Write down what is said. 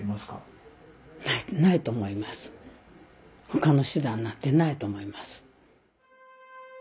他の手段なんてないと思います。